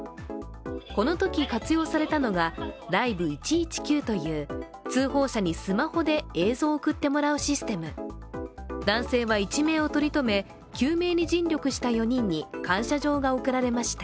このとき活用されたのが、Ｌｉｖｅ１１９という通報者にスマホで映像を送ってもらうシステム男性は一命を取り留め、救命に尽力した４人に感謝状が贈られました。